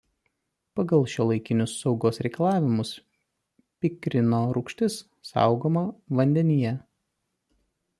Pagal šiuolaikinius saugos reikalavimus pikrino rūgštis saugoma vandenyje.